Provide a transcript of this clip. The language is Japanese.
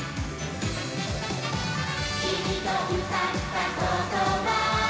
「きみとうたったことは」